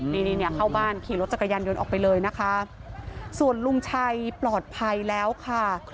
นี่เข้าบ้านขี่รถจักรยานยนต์ออกไปเลยนะคะส่วนลุงชัยปลอดภัยแล้วค่ะ